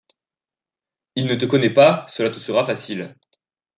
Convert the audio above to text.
Il ne te connaît pas, cela te sera facile.